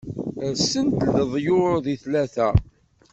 Rsen-d leḍyur di tlata.